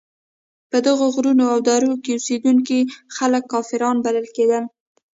په دغو غرونو او درو کې اوسېدونکي خلک کافران بلل کېدل.